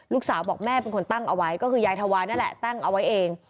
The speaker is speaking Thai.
ลูกสาวบอกแม่เป็นคนตั้งเอาไว้ก็คือยายถวายนั่นแหละตั้งเอาไว้เอง